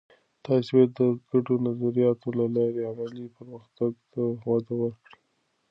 تاسې باید د ګډو نظریاتو له لارې علمي پرمختګ ته وده ورکړئ.